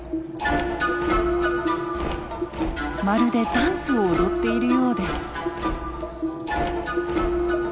まるでダンスを踊っているようです。